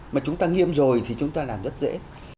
mà chúng ta nghiêm rồi thì chúng ta làm rất dễ